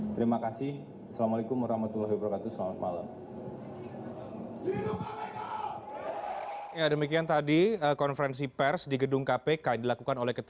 terima kasih assalamualaikum wr wb selamat malam